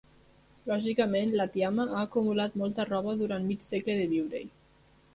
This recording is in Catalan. Lògicament, la tiama ha acumulat molta roba durant mig segle de viure-hi.